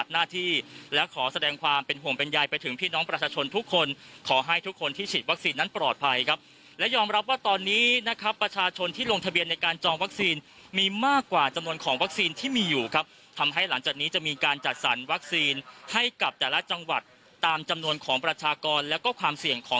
หน้าที่และขอแสดงความเป็นห่วงเป็นยายไปถึงพี่น้องประชาชนทุกคนขอให้ทุกคนที่ฉีดวัคซีนนั้นปลอดภัยครับและยอมรับว่าตอนนี้นะครับประชาชนที่ลงทะเบียนในการจองวัคซีนมีมากกว่าจำนวนของวัคซีนที่มีอยู่ครับทำให้หลังจากนี้จะมีการจัดสรรวัคซีนให้กับแต่ละจังหวัดตามจำนวนของประชากรแล้วก็ความเสี่ยงของ